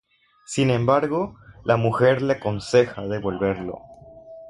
Sin embargo, la mujer le aconseja devolverlo.